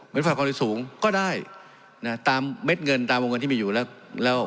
มีรถไฟก่อนที่สูงก็ได้ตามเม็ดเงินตามวงเงินที่มีอยู่แล้ว